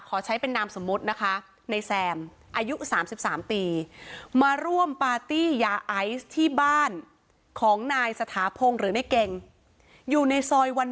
ขอใช้เป็นนามสมมุตินะคะในแซมอายุ๓๓ปีมาร่วมปาร์ตี้ยาไอซ์ที่บ้านของนายสถาพงศ์หรือในเก่งอยู่ในซอยวัน